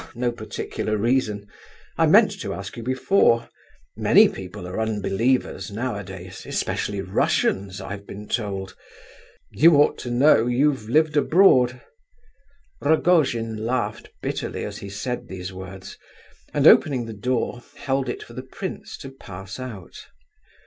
"Oh, no particular reason. I meant to ask you before—many people are unbelievers nowadays, especially Russians, I have been told. You ought to know—you've lived abroad." Rogojin laughed bitterly as he said these words, and opening the door, held it for the prince to pass out.